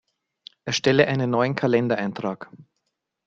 Erstelle einen neuen Kalendereintrag!